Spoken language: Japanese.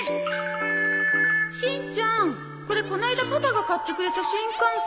しんちゃんこれこの間パパが買ってくれた新幹線。